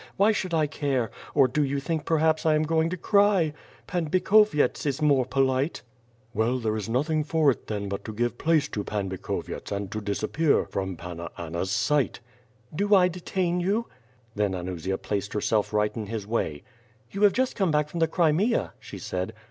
Why should I care! Or do you think perhaps I am going to cry? Pan Bikhovyets is more polite." WITH FIRE AND ISWOliD. yg "Well, there is nothing for it then but to give place to Pan Bikhovyets and to disappear from Panna Anna's sight." "Do I detain you?" Then Anusia placed herself right in his way. '*You have just come back from the Crimea?" she said.